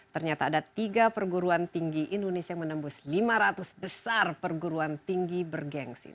ternyata ada tiga perguruan tinggi indonesia yang menembus lima ratus besar perguruan tinggi bergensi